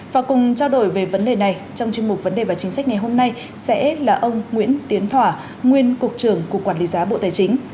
và cùng trao đổi về vấn đề này trong chuyên mục vấn đề và chính sách ngày hôm nay sẽ là ông nguyễn tiến thỏa nguyên cục trưởng cục quản lý giá bộ tài chính